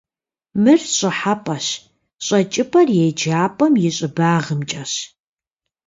Мыр щӏыхьэпӏэщ, щӏэкӏыпӏэр еджапӏэм и щӏыбагъымкӏэщ.